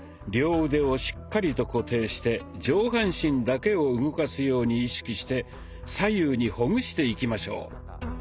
両腕をしっかりと固定して上半身だけを動かすように意識して左右にほぐしていきましょう。